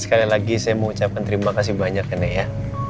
sekali lagi saya mau ucapkan terima kasih banyak nek ya